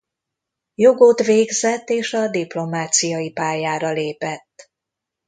Jogot végzett és a diplomáciai pályára lépett.